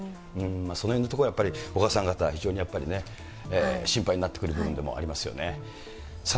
そのへんのところはやっぱり、お母さん方、非常にやっぱり、心配になってくる部分でもありますよね。